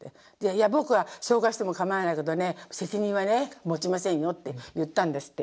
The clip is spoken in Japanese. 「いや僕は紹介しても構わないけどね責任はね持ちませんよ」って言ったんですって。